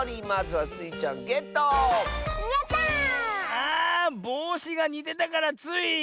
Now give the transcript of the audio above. あぼうしがにてたからつい。